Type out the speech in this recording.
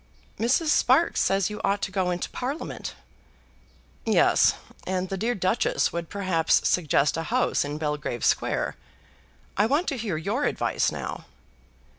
"Mrs. Sparkes says you ought to go into Parliament." "Yes; and the dear Duchess would perhaps suggest a house in Belgrave Square. I want to hear your advice now."